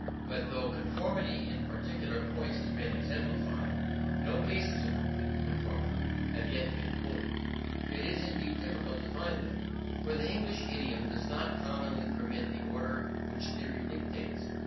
But though conformity in particular points has been exemplified, no cases of complete conformity have yet been quoted. It is indeed difficult to find them; for the English idiom does not commonly permit the order which theory dictates.